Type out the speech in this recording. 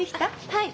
はい。